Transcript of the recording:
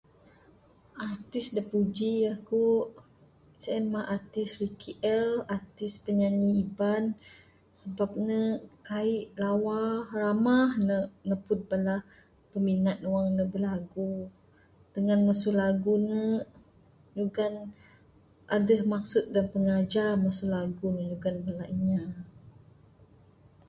Artis dak puji aku sien mah artis Ricky El artis pinyanyi iban sabab ne kai lawa ramah ne neput bala peminat ne wang bilagu, dengan lagu mesu ne nyugan adeh maksud dan pingajar mesu lagu nyugan bala inya.